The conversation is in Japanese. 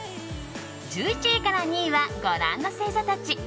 １１位から２位はご覧の星座たち。